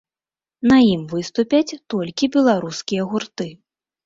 На ім выступяць толькі беларускія гурты.